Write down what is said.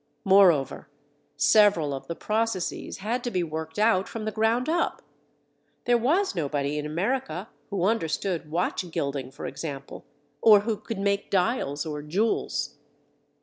Moreover, several of the processes had to be worked out from the ground up. There was nobody in America who understood watch gilding, for example, or who could make dials or jewels.